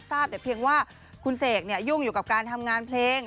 ทราบแต่เพียงว่าคุณเสกยุ่งอยู่กับการทำงานเพลง